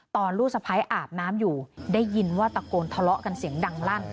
ลูกสะพ้ายอาบน้ำอยู่ได้ยินว่าตะโกนทะเลาะกันเสียงดังลั่น